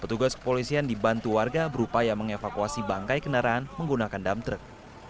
pertugas kepolisian dibantu warga berupaya mengevakuasi bangkai kendaraan menggunakan dump truck